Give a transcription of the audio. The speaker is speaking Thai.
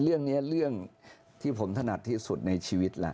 เรื่องนี้เรื่องที่ผมถนัดที่สุดในชีวิตแหละ